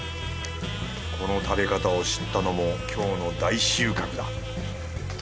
この食べ方を知ったのも今日の大収穫だ。